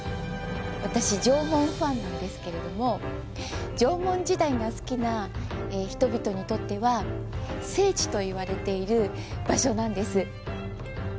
私、縄文ファンなんけれども、縄文時代が好きな人々にとっては聖地といわれている場所なんです。